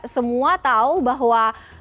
semua tahu bahwa